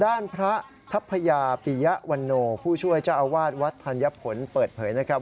ด้านพระทัพยาปิยะวันโนผู้ช่วยเจ้าอาวาสวัดธัญผลเปิดเผยนะครับ